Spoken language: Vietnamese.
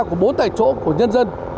của bốn tài chỗ của nhân dân